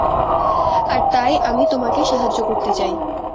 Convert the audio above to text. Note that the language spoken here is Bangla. আর তাই আমি তোমাকে সাহায্য করতে চাই।